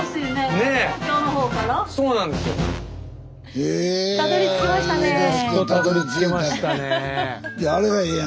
やっとたどりつけましたね。